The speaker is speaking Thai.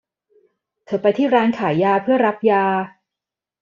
เธอไปที่ร้านขายยาเพื่อรับยา